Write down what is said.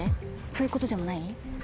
そういうことでもない？